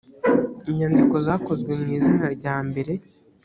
inyandiko zakozwe mu izina rya mbere